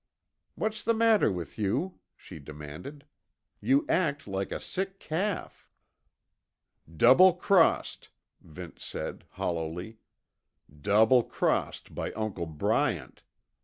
"What's the matter with you?" she demanded. "You act like a sick calf." "Double crossed," Vince said hollowly. "Double crossed by Uncle Bryant.